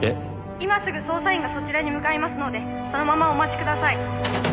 「今すぐ捜査員がそちらに向かいますのでそのままお待ちください」